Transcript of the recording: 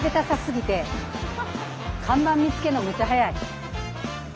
看板見つけんのむっちゃ早い。